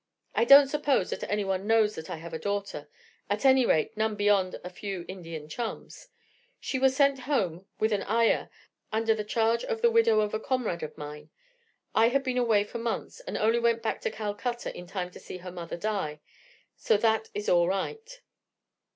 I don't suppose that anyone knows that I have a daughter at any rate, none beyond a few Indian chums. She was sent home with an ayah under the charge of the widow of a comrade of mine. I had been away for months, and only went back to Calcutta in time to see her mother die. So that is all right."